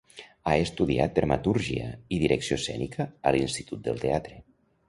Ha estudiat dramatúrgia i direcció escènica a l'Institut del Teatre.